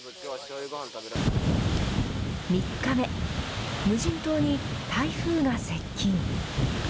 ３日目、無人島に台風が接近。